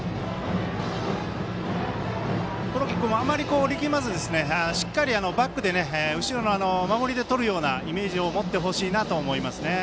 黒木君もあまり力まず後ろの守りでとるようなイメージを持ってほしいなと思いますね。